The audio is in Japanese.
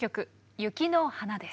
「雪の華」です。